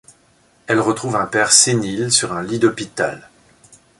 Elle retrouve un père sénile, sur un lit d'hôpital.